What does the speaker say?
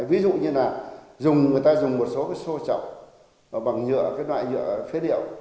ví dụ như là người ta dùng một số cái xô chọc bằng nhựa cái loại nhựa phế điệu